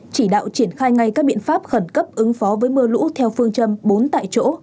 chỉ đạo triển khai ngay các biện pháp khẩn cấp ứng phó với mưa lũ theo phương châm bốn tại chỗ